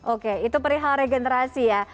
oke itu perihal regenerasi ya